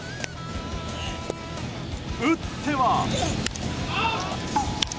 打っては。